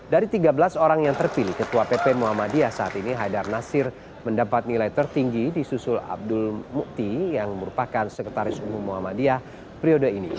dari tiga belas orang yang terpilih ketua pp muhammadiyah saat ini haidar nasir mendapat nilai tertinggi di susul abdul mukti yang merupakan sekretaris umum muhammadiyah periode ini